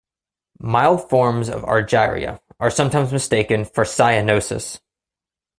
Mild forms of argyria are sometimes mistaken for cyanosis.